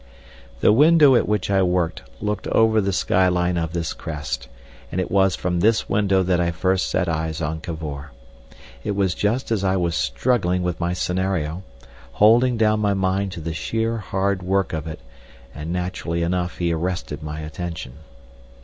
The window at which I worked looked over the skyline of this crest, and it was from this window that I first set eyes on Cavor. It was just as I was struggling with my scenario, holding down my mind to the sheer hard work of it, and naturally enough he arrested my attention.